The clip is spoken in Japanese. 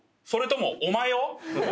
それともお前を？